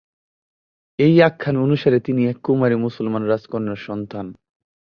এই আখ্যান অনুসারে, তিনি এক কুমারী মুসলমান রাজকন্যার সন্তান।